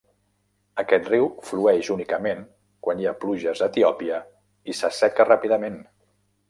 Aquest riu flueix únicament quan hi ha pluges a Etiòpia i s'asseca ràpidament.